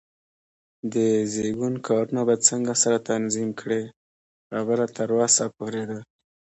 د زېږون کارونه به څنګه سره تنظیم کړې؟ خبره تر وسه پورې ده.